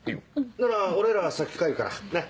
なら俺らは先帰るからなっ。